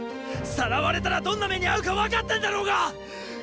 さらわれたらどんな目にあうか分かってんだろうが！！